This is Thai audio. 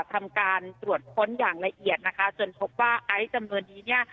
ทำการตรวจค้นอย่างละเอียดนะคะจนพบว่าไอซ์จำนวนนี้เนี่ย